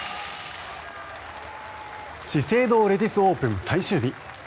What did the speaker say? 資生堂レディスオープン最終日。